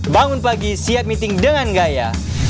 bangun pagi siap meeting dengan gaya